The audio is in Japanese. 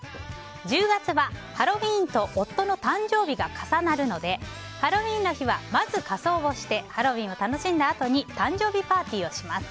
１０月はハロウィーンと夫の誕生日が重なるのでハロウィーンの日はまず仮装をしてハロウィーンを楽しんだあとに誕生日パーティーをします。